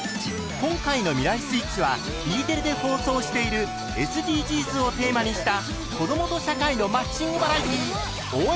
今回の「未来スイッチ」はＥテレで放送しているＳＤＧｓをテーマにした「子どもと社会のマッチングバラエティー応援！